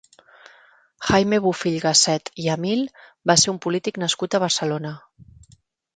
Jaime Bofill-Gasset i Amil va ser un polític nascut a Barcelona.